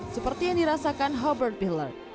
seperti yang dirasakan herbert piller